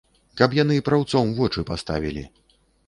Каб яны праўцом вочы паставілі.